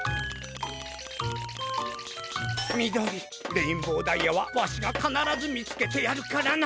レインボーダイヤはわしがかならずみつけてやるからな。